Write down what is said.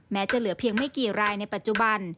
จะเหลือเพียงไม่กี่รายในปัจจุบัน